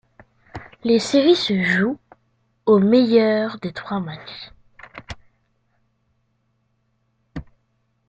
Les séries se jouent au meilleur des trois matchs.